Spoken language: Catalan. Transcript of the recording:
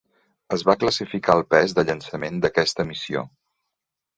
Es va classificar el pes de llançament d'aquesta missió.